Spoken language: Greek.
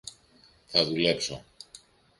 Θα δουλέψω!